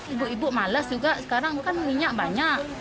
ibu ibu males juga sekarang kan minyak banyak